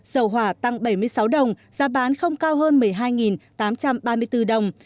dầu hỏa tăng bảy mươi sáu đồng giá bán không cao hơn một mươi hai tám trăm ba mươi bốn đồng